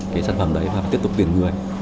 cái sản phẩm đấy và tiếp tục tiền người